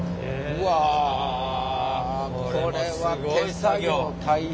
うわこれは手作業大変やで。